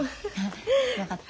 よかった。